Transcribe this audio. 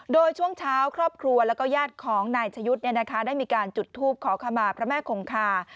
โดยช่วงเช้าครอบครัวแล้วก็ญาติของนายชะยุทธ์ได้มีการจุดทูปขอขมาพระแม่คงคา